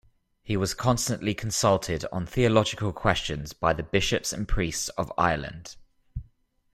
He was constantly consulted on theological questions by the bishops and priests of Ireland.